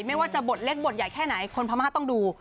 ไม่ว่าจะบทเล็กบทใหญ่แค่ไหนคนพม่าต้องดู